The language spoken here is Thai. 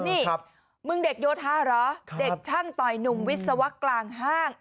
นี่มึงเด็กโยธาเหรอเด็กช่างต่อยหนุ่มวิศวะกลางห้าง